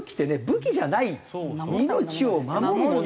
武器じゃない命を守るものだと。